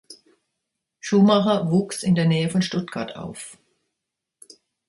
Schumacher wuchs in der Nähe von Stuttgart auf.